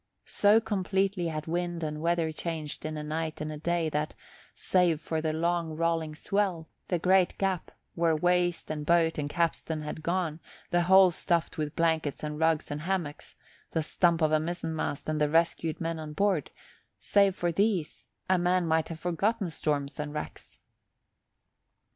So completely had wind and weather changed in a night and a day that, save for the long rolling swell, the great gap where waist and boat and capstan had gone, the hole stuffed with blankets and rugs and hammocks, the stump of a mizzenmast, and the rescued men on board save for these, a man might have forgotten storms and wrecks.